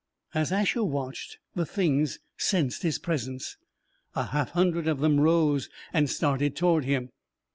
As Asher watched, the Things sensed his presence. A half hundred of them rose and started toward him.